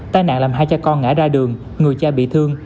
tai nạn làm hai cha con ngã ra đường người cha bị thương